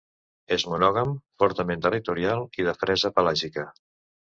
És monògam, fortament territorial i de fresa pelàgica.